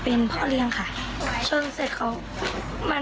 เป็นพ่อเลี้ยงค่ะช่วงเศษเขามัน